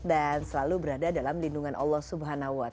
dan selalu berada dalam lindungan allah swt